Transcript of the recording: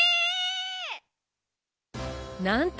なんと☆